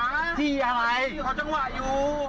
ขอจังหวะอยู่